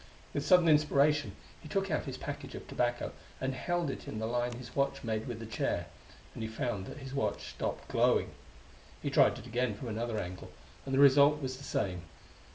With sudden inspiration he took out his package of tobacco and held it in the line his watch made with the chair and he found that his watch stopped glowing. He tried it again from another angle, and the result was the same.